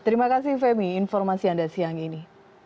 terima kasih femi informasi anda siang ini